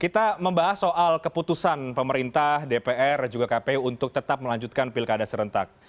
kita membahas soal keputusan pemerintah dpr juga kpu untuk tetap melanjutkan pilkada serentak